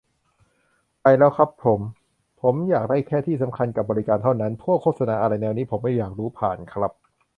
ไปแล้วครับผม ผมอยากได้แค่ที่สำคัญกับบริการเท่านั้น พวกโฆษณาอะไรแนวนี้ผมไม่อยากรู้ผ่าน ครับ